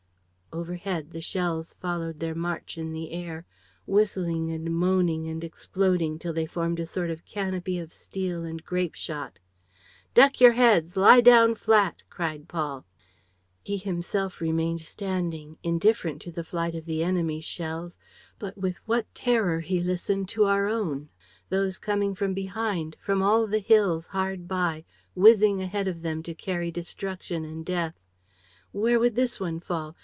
Overhead, the shells followed their march in the air, whistling and moaning and exploding till they formed a sort of canopy of steel and grape shot. "Duck your heads! Lie down flat!" cried Paul. He himself remained standing, indifferent to the flight of the enemy's shells. But with what terror he listened to our own, those coming from behind, from all the hills hard by, whizzing ahead of them to carry destruction and death. Where would this one fall?